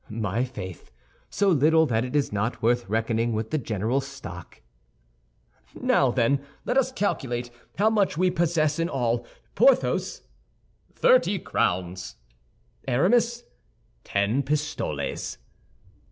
"My faith! So little that it is not worth reckoning with the general stock." "Now, then, let us calculate how much we posses in all." "Porthos?" "Thirty crowns." "Aramis?" "Ten pistoles."